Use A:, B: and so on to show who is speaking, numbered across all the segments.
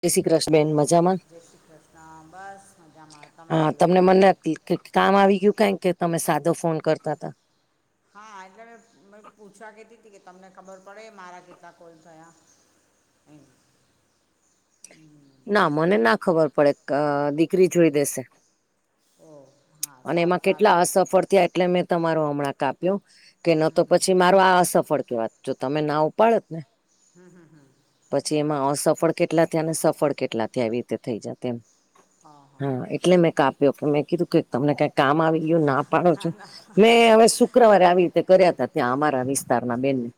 A: જય શ્રી કૃષ બેન
B: હાલો
A: મજામાં
B: જય શ્રી કૃષ્ણ બસ મજામાં તમે
A: હા
B: બોલો
A: તમને મને કે કામ આવી ગયું કાય કે તમે સાદો ફોન કરતા હતા?
B: હા એટલે મેં પૂછવા કીધી તી કે તમને ખબર પડે મારા કેટતા કોલ થયા હમ
A: ના મને ના ખબર પડે દીકરી જોઈ દેશે.
B: ઓ હા
A: અને એમાં
B: સારું
A: કેટલા
B: સારું
A: અસફળ થયા એટલે મેં તમારું હમણાં કાપ્યું કે ન તો પછી મારો આ અસફળ કેવા જો તમે ના ઉપાડ જ ને
B: હમ હમ હમ
A: પછી એમાં અસફળ કેટલા થયા અને સફળ કેટલા થયા એવી રીતે થઈ જા તેમ હા એટલે મેં કાપ્યો કે મેં કીધું કે તમને કઈ કામ આવી ગયું ના
B: હા
A: પાડો છો
B: ના
A: ને હવે શું શુક્રવારે આવી રીતે તે કર્યા તા ત્યાં અમારા વિસ્તારના બેન ને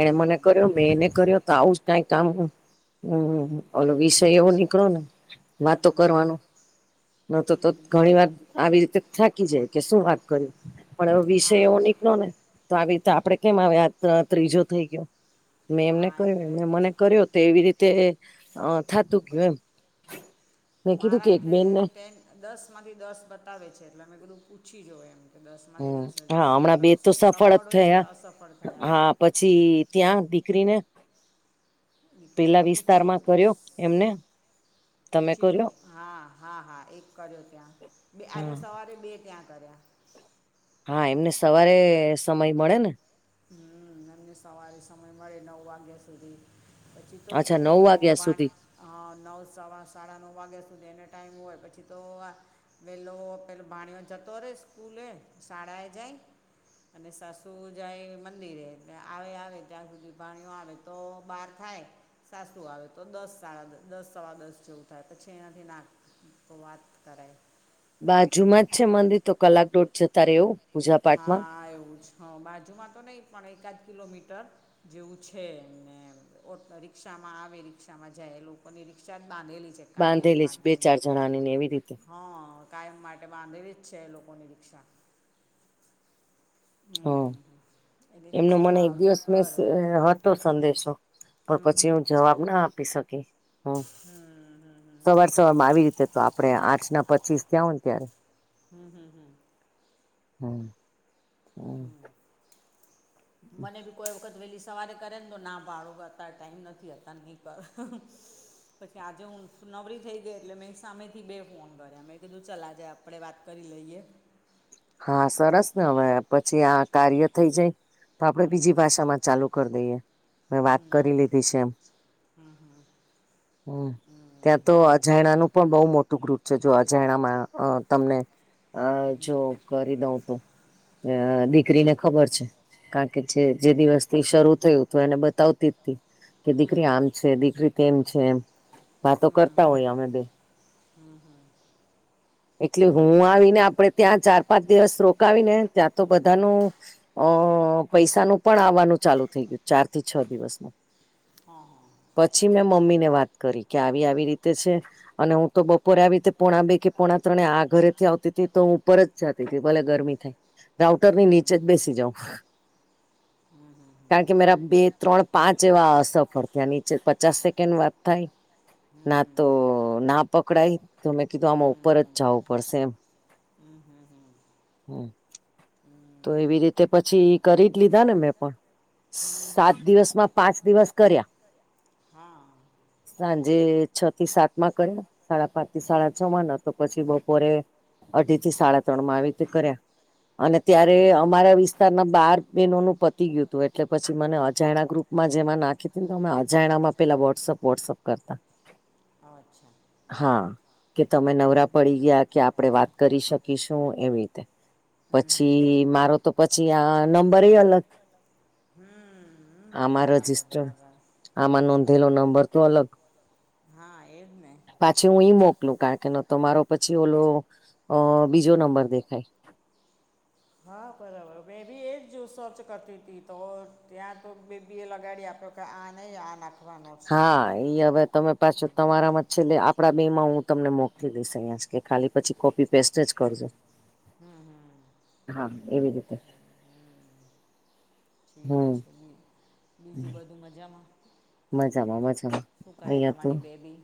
A: એણે મને કર્યો મેં એને કર્યો આવુંજ કઈ કામ હમ્મ ઓલો વિષય એવો નીકળો ને વાતો કરવાનું ન તો તો ઘણી વાર આવી રીતે થાકી જાય કે શું વાત કર પણ એવો વિષય
B: હા
A: એવો નીકળ ને તો આવી રીતે આપડે કેમ આવે આ ત્રીજો થઈ ગયો મેં એમને
B: હા
A: કર્યો
B: એટલે
A: એમને મને કર્યો તો એવી રીતે થતું ગયું એમ મેં કીધું
B: મારા
A: કે એક
B: એટલે
A: બેનને
B: ટેન દસ માંથી દસ બતાવે છે એટલે અમે બધું પૂછી જ એમ એ દસ માથી
A: હમ
B: દસ
A: હા હમણાં બે
B: મતલબ
A: તો જ
B: સફળ હોય કે
A: થયા
B: અસફળ થયા
A: હા પછી ત્યાં દીકરીને
B: લકતિને
A: પેલા
B: બૂછી
A: વિસ્તારમાં
B: પોડીશ
A: કર્યો એમને તમે
B: પૂછી જો
A: કર્યો
B: હા હા હા એક કર્યો ત્યાં બે આજે
A: હા
B: સવારે બે ત્યાં કર્યા
A: હા એમને સવારે સમય મળે ને
B: હમ્મ એમને સવારે સમય મળે નવ વાગ્યા સુધી પછી તો
A: અચ્છા નવ
B: શું
A: વાગ્યા સુધી
B: બાણી હા નવ સવા સાડા નવ વાગ્યા સુધી એનો ટાઈમ હોય પછી તો વેલો પેલો ભણીઓ જતો રહેે સ્કૂલે શાળાએ જાય અને સાસુ જ જ મંદિરે આવે આવે ત્યાં સુધી પાણીઓ આવે તો બહાર થાય સાસું આવે તો દસ સાડા દસ સવા દસ જેવું થાય પછી એનાથી નાખ તો વાત કરાય
A: બાજુમાં જ છે મંદિર તો કલાક દોઢ જતા રહેવું
B: હા એવું છે હં બાજુમાં તો નહીં પણ એકાદ કિલોમીટર જેવું છે એમને ઓટો રીક્ષા માં આવે રીક્ષા મા જાય એ લોકો ની રિક્ષા જ બાંધેલી છે
A: બાંધેલી છે બે ચાર જણાની ને એવી રીતે
B: હં કાયમ માટે બાંધલી જ છે એ લોકોની રિક્ષા
A: હ
B: હમ્મ હમ્મ
A: એમનો મને એક દિવસ મિસ હતો સંદેશો પણ
B: હમ
A: પછી હું જવાબ ના આપી શકી હમ
B: હમ્મ હમ્મ
A: સવાર સવાર માં આવી રીતે તો આપડે આઠ ના પચીસ થયા હો ને ત્યારે
B: હમ્મ હમ્મ હમ્મ
A: હમ્મ
B: હમ્મ મને બી કોઈ વખત વહેલી સવારે કરે તો ના પાડું ટાઈમ નથી અતારે નહીં કર. પછી આજે હું નવરી થઈ ગઈ એટલે મેં સામેથી બે ફોન કર્યા મેં કીધું ચલા જાય આપ આપણે વાત કરી લઈએ.
A: હા સરસ ને હવે પછી આ કાર્ય થઈ જાય તો આપડે બીજી ભાષા માં ચાલુ કરી દઈએ મે વાત કરી લીધી છે એમ હમ્મ ત્યાં તો અજાણાનું પણ બહુ મોટું ગ્રુપ છે જો અજાણામાં અ તમને. હ જો કરી દઉં તો દીકરીને ખબર છે. કારણ કે છે જે દિવસ થી શરૂ થયું હતું એને બતાવતી હતી કે દીકરી આમ છે દીકરી તેમ છે એમ વાતો કરતા હોય અમે બે
B: હમ્મ હમ્મ
A: એટલે હું આવીને આપડણે ત્યાં ચાર પાંચ દિવસ રોકાવી ને ત્યાં તો બધાનું. અ પૈસાનું પણ આવવાનું ચાલુ થઇ ગયું ચાર થી છ દિવસમાં
B: હા હા
A: પછી મેં મમ્મી ને વાત કરી કે આવી આવી રીતે છે અને હું તો બપોરે આવી રીતે પોણા બે કે પોણા ત્રણે આ ઘરે થી આવતી ત તો હું ઉપર જ જતી હતી ભલે ગરમી થાય. રાઉટર ની નીચે જ બેસી જાઉં.
B: હમ હ.
A: કારણ કે મેરા બે ત્રણ પાંચ એવા અસફળ થયા નીચે પચાસ સેકન્ડ વાત થાય. ના તો ના પકડાય તો મે કીધું આમાં. પર જ જવું પડશે એમ હમ. તો એવી રીતે પછી કરી જ લીધા ને મેં પણ. સાત દિવસ માં પાંચ દિવસ કર્યા.
B: હા.
A: સાંજે છ થી સાત માં કર્યા સાડા પાંચ થી સાડા છ માં ન તો પછી બપોરે. અઢી થી સાડા ત્રણ માં આવી રીતે કર્યા. અને ત્યારે અમારા વિસ્તારના બાર બેહેનો નું પતી ગયું હતું એટલે પછી મને અજાણા ગ્રુપ. માં જેમાં નાખી હતી ને તો અમે અજાણામાં પેલા વોટ્સઅપ વોટ્સઅપ કરતા.
B: અચ્છા.
A: હા. કે તમે નવરા પડી ગયા કે આપણે વાત કરી શકીશું એવી રીતે.
B: હમ હમ
A: પછી મારો તો પછી આ નંબર એ અલગ.
B: હમ.
A: આમાં
B: બરાબર
A: રજિસ્ટર
B: બરાબર
A: આમાં
B: હમ
A: નોંધેલો નંબર તો અલગ.
B: હા એજ ને.
A: પાછી હું ઈ મોકલું કારણ કે ન તો મારો પછી ઓલો. અ બીજો નંબર દેખાય.
B: હા બરાબર મેં બી એ જ સર્ચ કરતી હતી તો ત્યાં તો બેબી એ લગાડી આપણે. આપ્યા આ ની આ ના.
A: હા ઈ હવે તમે પાછું તમારામાં છેલ્લે આપડા બે માં હું તમને મોકલી દઈશ અહીં. કે ખાલી પછી કોપી પેસ્ટ જ કરજો
B: હમ હમ
A: હા એવી રીતે.
B: ઠીક
A: હમ.
B: છે બી બીજું બધું મજામાં.
A: મજામાં મજામાં.
B: શું કરે
A: અહિયાં તો
B: તમારી બેબી.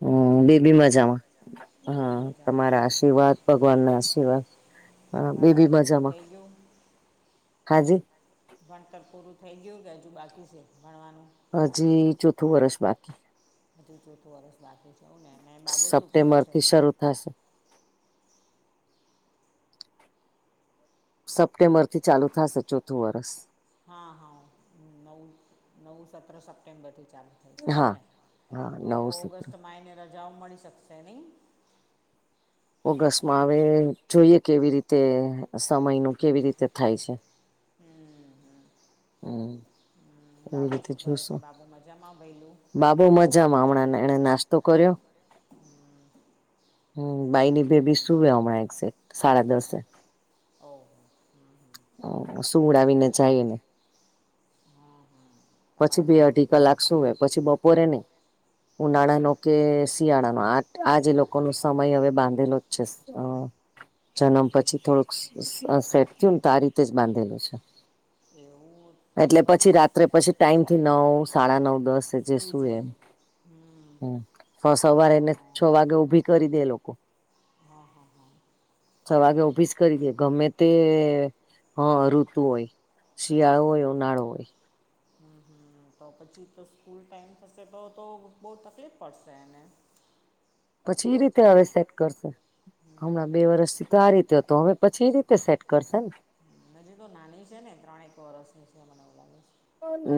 A: હમ બેબી મજામાં
B: હું
A: હા તમારા
B: મજામાં
A: આશીર્વાદ ભગવાન ના
B: પણ
A: આશીર્વાદ. હ બેબી
B: ભણતર પૂરું
A: મજામાં
B: થઈ ગયું
A: હા જી.
B: ભણતર પૂરું થઈ ગયું કે હજુ બાકી છે ભણવાનું.
A: હજી ચોથું વર્ષ બાકી.
B: હજુ ચોથું વર્ષ બાકી છે એવું ને ને બાબો શું કરે
A: સપ્ટેમ્બર
B: છે.
A: [unintelligible] સપ્ટેમ્બર થી ચાલુ થશે ચોથું વરષ.
B: હા હા નવું નવું સત્ર સપ્ટેમ્બરથી ચાલે. થશે એવું
A: હા
B: ને
A: હા
B: તો તો
A: નવ સત્ર
B: ઓગસ્ટમાં એને રજાઓ મળી શકશે નહીં.
A: ઓગસ્ટમાં હવે જોઈએ કેવી રીતે સમય નું કેવી રીતે થાય છે.
B: હમ હમ.
A: હમ.
B: હમ
A: એવી
B: બાબો શું કરે છે બાબો મજામાં ભઈલું.
A: બાબો મજામાં હમણાં એને નાસ્તો કર્યો. હમ બાઈની બેબી સુવે હમણાં એક્ઝેક્ટ સાડા દસે.
B: ઓ.
A: સુંવડાવીને જાય એને
B: હા હા
A: પછી
B: તમારા
A: બે
B: ભાઈ
A: અઢી. કલાક સૂવે પછી બપોરે નહી.
B: એવું
A: ઉનાળાનો કે શિયાળાનો આઠ આજે લોકોનો સમય હવે બાંધેલો જ છે. અ જન્મ
B: હમ,
A: પછી થોડુંક સે સેટ. તો આ રીતે જ બાંધેલું છે
B: એવું તો
A: એટલે પછી રાત્રે પછી. ટાઈમ થી નવ સાડા નવ દસ જે
B: સુઈ
A: શું એમ
B: જાય હમ
A: હ. છ સવારે
B: હા
A: એને છ
B: હા
A: વાગે ઊભી કરી દે લોકો
B: હા હા હા.
A: છ વાગે ઉભીજ કરી છે ગમે તે. હા ઋતુ હોય શિયાળો હોય ઉનાળો હોય.
B: હમ હમ તો પછી તો સ્કૂલ ટાઈમ થશે તો તો બહુ તકલીફ પડશે એને
A: પછી ઈ રીતે હવે સેટ કરશું. હમણાં બે વરષથી તો આ રીતે હતો હવે પછી એ રીતે સેટ કરશે ને
B: હજી તો નાની છે ને ત્રણે એક વરષની છે મને એવું લાગે છે.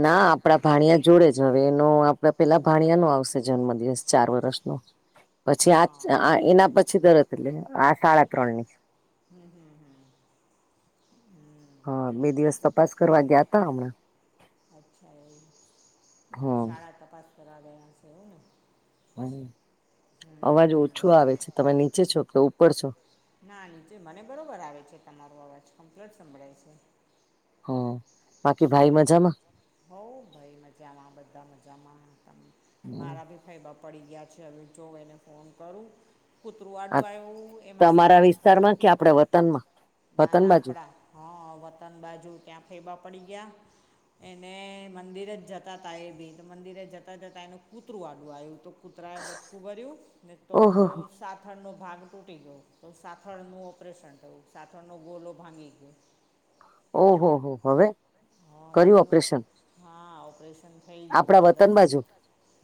A: ના આપડા ભાણિયા જોડે જ હવે એનો આપડા પેલા ભાણિયા નો આવશે જન્મ દિવસ ચાર વર્ષ નો પછી
B: હા
A: આ અ એના પછી તરત લે આ સાડા ત્રણ ની
B: હમ હમ હમ.
A: હા બે દિવસ તપાસ કરવા ગયા તા હમણાં
B: અચ્છા એવું
A: હમ
B: શાળા તપાસ કરવા ગ્યા છો એવુને.
A: અવાજ ઓછો આવે છે તમે નીચે છો કે ઉપર છો
B: ના નીચે મને બરોબર આવે છે તમારો અવાજ કમ્પલેટ સંભળાય છે.
A: હ બાકી ભાઈ મજામાં
B: હોઉ ભાઈ મજામાં બધા મજામાં ત મારા બી ખાઈબા પડી ગયા છે હવે જોઓ એને ફોન કરું કૂતરું આડું આવ્યું એમાં સાત
A: શેરમાં ક્યા આપણેે વતનમાં
B: ના
A: વતન
B: ના
A: બાજુ
B: આપડા હા વતન બાજુ ક્યાં ફેબા પડી ગયા. એને મંદિરે જ જતા હતા એબી તો મંદિરે જતાં જતાં એનું કૂતરું આડૂ આવ્યું તો કૂતરાએ બચકુ ભર્યું. ને તો
A: ઓહો
B: સાથળનો ભાગ તૂટી ગયો તો સાથળનું ઓપરેશન થયું. સાથડ નો ગોલો ભાંગી ગયો.
A: ઓ હો હો હવે.
B: હા તો
A: કર્યું
B: એનું
A: ઓપરેશન
B: હા ઓપરેશન થઈ ગયું
A: આપડા
B: પંદર
A: વતન બાજુ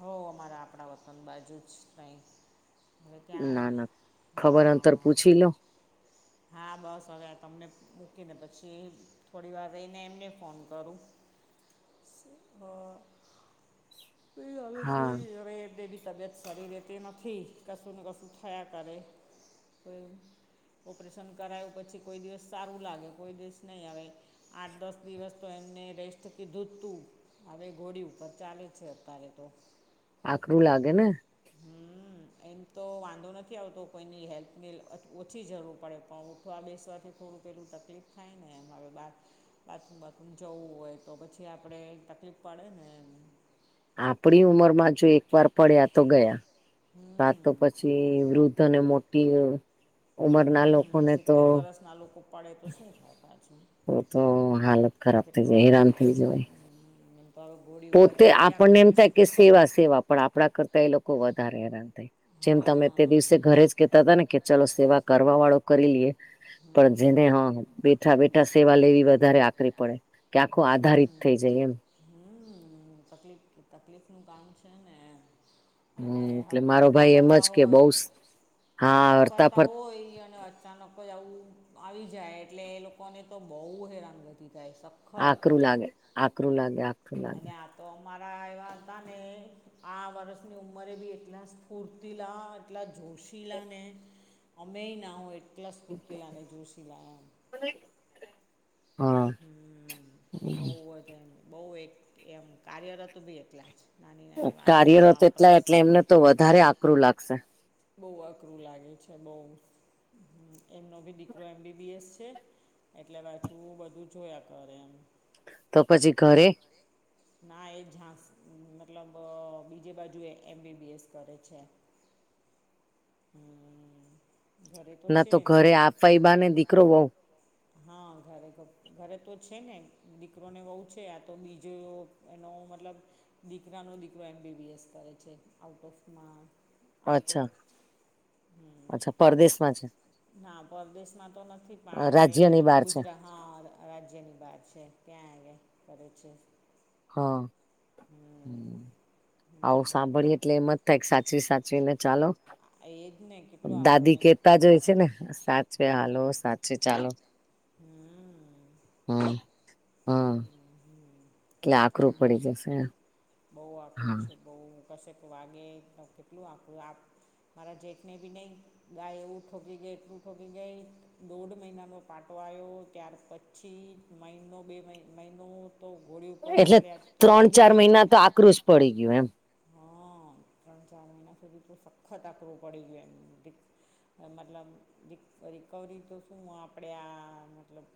B: હો અમારા આપણા વતન બાજુ જ કઈ હવે ત્યાં
A: ના ના ખબર અંતર
B: હા.
A: પૂછી લો
B: હા બસ હવે તમને મૂકીને પછી થોડી વાર રઈને એમને ફોન કરું હો તો હવે
A: હા
B: જોઈ એ હવે તેદિ. તબિયત શરીરે તે નથી કશું ને કશું થયા કરે તો એવું. ઓપરેશન કરાવું પછી કોઈ દિવસ સારું લાગે કોઈ દિવસ નહીં આવે. આઠ દસ દિવસ તો એમને રેસ્ટ કીધું જ તું. હવે ઘોડી ઉપર ચાલે છે અત્યારે તો.
A: આકરું લાગે ને.
B: હમ એમ તો વાંધો નથી આવતો કોઈની હેલ્પની અ ઓછી જરૂર પડે પણ ઉઠવા બેસવાથી થોડું પેલું તકલીફ થાય ને એમ હવે બાર બાથરૂમ બાથરૂમ જવું હોય તો પછી આપણે તકલીફ પડે ને એમ
A: આપણી ઉંમર માં જો એક વાર પડ્યા તો ગયા
B: હમ.
A: આ તો પછી વૃદ્ધ ને મોટી ઉંમરના
B: હમ
A: લોકોને તો
B: સિત્તેર વરસ ના લોકો પડે તો શું થાય પાછું
A: તો હાલત ખરાબ થઈ
B: કેટલું
A: જાય
B: આકૃતો
A: હેરાન થઈ
B: જાય
A: જવાય
B: હમ્મ એમ તો હવે ગોળી
A: પોતે આપણને એમ થાય કે સેવા સેવા પણ આપણા કરતા એ લોકો વધારે હેરાન થાય. જેમ તમે
B: હા
A: તે દિવસે ઘરે જ કેતા હતા ને કે ચલો સેવા કરવા વાળો કરી લઈએ પણ જેને હા
B: હમ
A: બેઠા બેઠા સેવા લેવી વધારે આકરી પડે. કે આખો
B: હમ
A: આધારિત થઈ જાય એમ.
B: હમ તકલીફ તકલીફ નું કામ છે ને. અને
A: હમ
B: હર
A: એટલે મારો ભાઈ એમ
B: હરતા-ફરતા
A: જ કે બઉ
B: હોય,
A: હા હરતા
B: હરતા-ફરતા
A: ફર
B: હોય અને અત અચાનક જ આવું આવી જાય એટલે એ લોકોને તો બહુ હેરાનગતિ થાય. સ
A: આકરું લાગે, આકરું લાગે, હા.
B: અને આપ તો અમારા આવ્યા હતા ને આ વર્ષની ઉંમરે બી એટલા સ્ફૂર્તિલા આટલા જોશીલા ને અમેય ના હોય એટલા સ્ફૂર્તિલા ને જોશીલા એમ.
A: [inaudible] હા
B: હમ્મ. બહુ જ એમ બહુ એક એમ કાર્યરત બી એટલા જ. નાની નાની વાતમાં
A: કાર્યરત
B: આ
A: એટલા એટલે
B: પ્રસંગ
A: એમને તો વધારે આકરું લાગશે.
B: બહું અઘરું લાગે છે બઉ, એમનો ભી દીકરો એમ બી બી એસ છે. એટલે પાછું બધું જોયા કરે એમ.
A: તો પછી ઘરે?
B: ના. એઝાસ મતલબ અહ બીજે બાજુ એ એમ બી બી એસ કરે છે. હમ્મ.
A: ના તો ઘરે આપવાય બહાને દીકરો બહુ
B: હા ઘરે ત ઘરે તો છે ને, દીકરોને વહુ છે. આ તો બીજો એનો મતલબ દીકરાનો દીકરો એમ બી બી એસ કરે છે, આઉટ ઓફ માં આઉટ
A: અચ્છા
B: ઓફ હમ્મ.
A: અચ્છા પરદેશમાં છે
B: ના. પરદેશમાં તો નથી પણ આપ
A: રાજ્યની
B: પણે
A: બહાર છે
B: ગુજરા, હા રાજ્યની બહાર છે, ત્યાં [unintelligible] કરે છે.
A: હા.
B: હમ
A: હમ્મ. આવું
B: હમ
A: સાંભળી એટલે એમ જ થાય કે સાચવી-સાચવી ને ચાલો.
B: હા એજ ને. કેટલું આપણને
A: તા જોય છે ને સાચવે હાલો, સાચવે ચાલો.
B: હમ્મ.
A: હમ્મ, હા.
B: હમ્મ-હમ્મ.
A: એટલે આખરું પડી જશે એમ.
B: બહું આકરું છે બહુ, કશેક વાગે તો કેટલું આકરું. આપ મારાા જેઠને બી નહીં ગાય એવું ઠોકી ગઈ એટલું ઠોકી ગઈ, દોઢ મહિનાનો પાટો આયો, ત્યાર પછ છી મહિનો બે મહી મહિનો તો ઘોડી ઉપર
A: એટલે
B: ચાલ્યા તો
A: ત્રણ
B: ભી
A: ચાર
B: નહીં
A: મહિના તો
B: જાય.
A: આકરું જ પડી ગયું [inaudible]
B: ત્રણ ચાર મહિના સુધી તો સખત આકરું પડી ગયું એમનું [unintelligible] એ મતલબ રિક રિકવરી તો શું આ આપણે આ મતલબ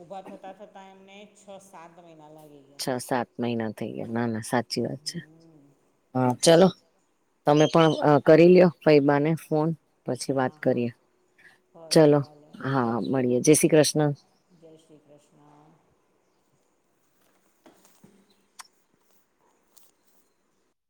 B: ઊભા થતા-થતા એમને છ સાત મહિના લાગી ગયા.
A: છ સાત મહિના થઈ ગયા, ના-ના સાચી વાત છે, હા. ચલો. તમે પણ કરી લ્યો ફઈબાને ફોન. પછી
B: હા
A: વાત
B: હા
A: કરીએ.
B: ભલે
A: ચલો,
B: ભલે
A: હા મળીએે, જય શ્રી કૃષ્ણ.
B: જય શ્રી કૃષ્ણ. [inaudible]